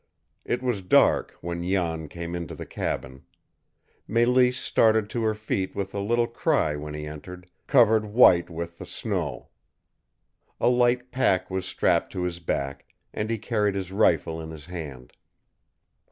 It was dark when Jan came into the cabin. Mélisse started to her feet with a little cry when he entered, covered white with the snow. A light pack was strapped to his back, and he carried his rifle in his hand.